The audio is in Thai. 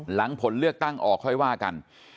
หลังผลเลือกตั้งออกค่อยว่ากัน